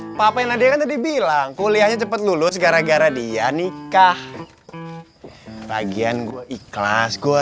nikah papa nadia tadi bilang kuliahnya cepet lulus gara gara dia nikah bagian gua ikhlas gua